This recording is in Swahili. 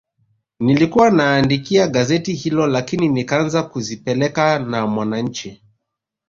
Nilikuwa naandikia gazeti hilo lakini nikaanza kuzipeleka na Mwananchi